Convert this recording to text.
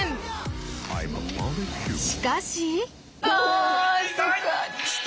しかし。